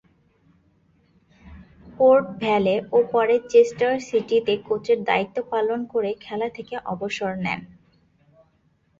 Port Vale ও পরে Chester সিটিতে কোচের দায়িত্ব পালন করে খেলা থেকে অবসর নেন।